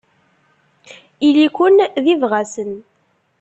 Ili-ken d ibɣasen.